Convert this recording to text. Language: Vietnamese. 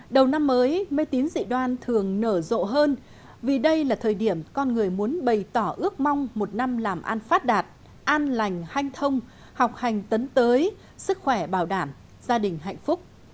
đầu năm mới mê tín dị đoan thường nở rộ hơn vì đây là thời điểm con người muốn bày tỏ ước mong một năm làm ăn phát đạt an lành hanh thông học hành tấn tới sức khỏe bảo đảm gia đình hạnh phúc